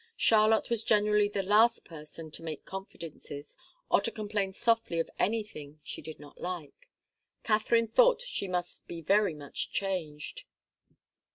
Charlotte was generally the last person to make confidences, or to complain softly of anything she did not like. Katharine thought she must be very much changed.